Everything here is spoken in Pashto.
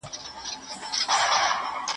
تاسي خپل مالي وسايل په هره برخه کي مه مصرفوئ.